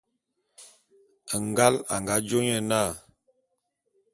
Ngal a nga jô nye na.